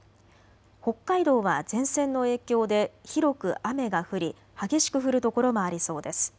北海道は前線の影響で広く雨が降り激しく降る所もありそうです。